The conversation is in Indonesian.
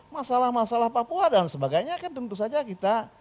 masalah masalah papua dan sebagainya kan tentu saja kita